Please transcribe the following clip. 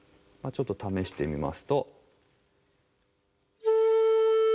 ちょっと試してみますと。